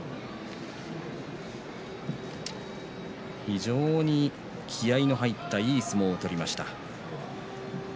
非常に気合いの入ったいい相撲を取りました。